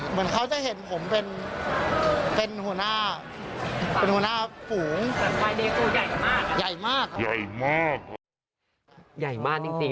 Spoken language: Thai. เหมือนเขาจะเห็นผมเป็นหัวหน้าเป็นหัวหน้าฝูง